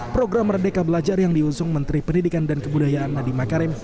program merdeka belajar yang diusung menteri pendidikan dan kebudayaan nadiem makarim